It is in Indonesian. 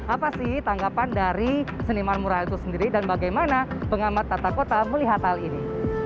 apa sih tanggapan dari seniman murah itu sendiri dan bagaimana pengamat tata kota melihat hal ini